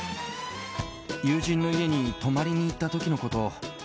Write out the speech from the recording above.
友人の家に泊まりに行った時のこと。